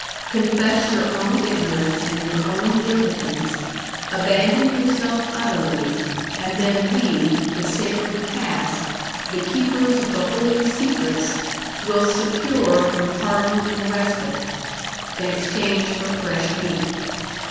Confess your own ignorance and your own impotence, abandon yourself utterly, and then we, the sacred Caste, the Keepers of the Holy Secrets, will secure you pardon and respite in exchange for fresh meat.